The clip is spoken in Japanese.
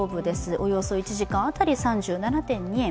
およそ１時間あたり３７．２円。